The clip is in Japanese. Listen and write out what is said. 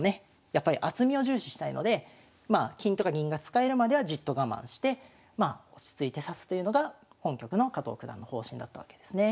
やっぱり厚みを重視したいので金とか銀が使えるまではじっと我慢して落ち着いて指すというのが本局の加藤九段の方針だったわけですね。